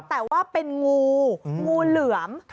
แต่ว่าเป็นงูงูเหลือม